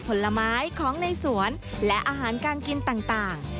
ผลไม้ของในสวนและอาหารการกินต่าง